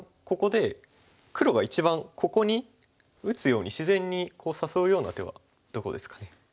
ここで黒が一番ここに打つように自然に誘うような手はどこですかね？